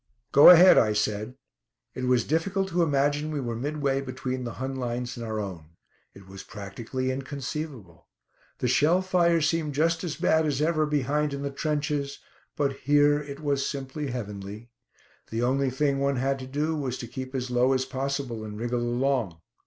"Go ahead," I said. It was difficult to imagine we were midway between the Hun lines and our own. It was practically inconceivable. The shell fire seemed just as bad as ever behind in the trenches, but here it was simply heavenly. The only thing one had to do was to keep as low as possible and wriggle along.